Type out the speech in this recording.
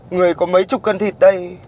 người có mấy chục cân thịt đây